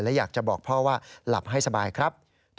และอยากจะบอกพ่อว่าหลับให้สบายครับ